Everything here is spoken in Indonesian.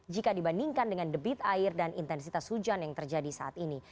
jika dibandingkan dengan debit air dan intensitas hujan yang terjadi saat ini